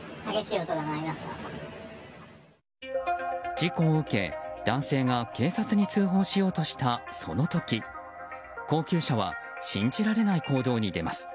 事故を受け、男性が警察に通報しようとしたその時高級車は信じられない行動に出ます。